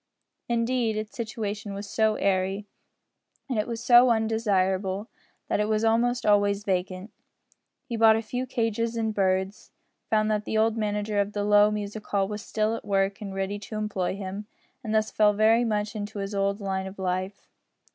Indeed its situation was so airy, and it was so undesirable, that it was almost always vacant. He bought a few cages and birds; found that the old manager of the low music hall was still at work and ready to employ him, and thus fell very much into his old line of life.